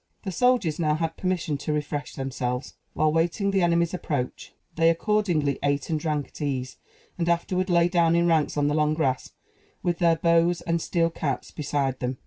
The soldiers now had permission to refresh themselves, while waiting the enemy's approach. They accordingly ate and drank at ease, and afterward lay down in ranks on the long grass, with their bows and steel caps beside them.